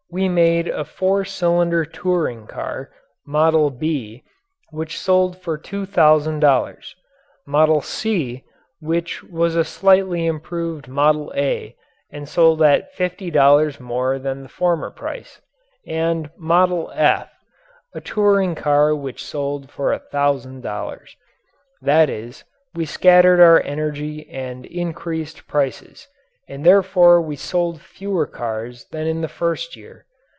We made a four cylinder touring car, "Model B," which sold for two thousand dollars; "Model C," which was a slightly improved "Model A" and sold at fifty dollars more than the former price; and "Model F," a touring car which sold for a thousand dollars. That is, we scattered our energy and increased prices and therefore we sold fewer cars than in the first year.